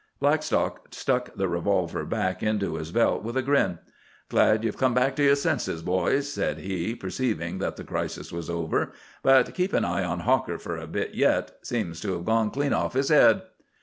Blackstock stuck the revolver back into his belt with a grin. "Glad ye've come back to yer senses, boys," said he, perceiving that the crisis was over. "But keep an eye on Hawker for a bit yet. Seems to 'ave gone clean off his head."